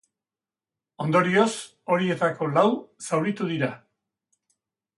Ondorioz, horietako lau zauritu dira.